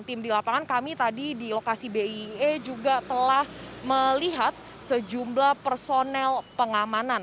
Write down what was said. tim di lapangan kami tadi di lokasi bie juga telah melihat sejumlah personel pengamanan